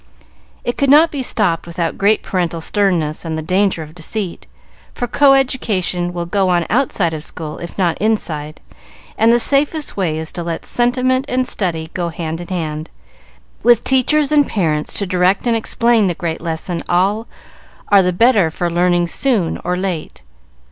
It could not be stopped without great parental sternness and the danger of deceit, for co education will go on outside of school if not inside, and the safest way is to let sentiment and study go hand in hand, with teachers and parents to direct and explain the great lesson all are the better for learning soon or late.